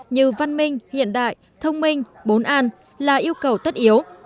như văn minh hiện đại thông minh bốn an là yêu cầu tất yếu